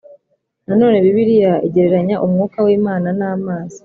Nanone Bibiliya igereranya umwuka w’Imana n’amazi